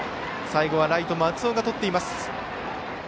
最後はライト、松尾がとっています。